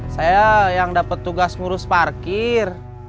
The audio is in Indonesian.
saya yang dapat tugas ngurus parkir